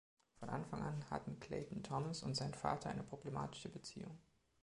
Von Anfang an hatten Clayton-Thomas und sein Vater eine problematische Beziehung.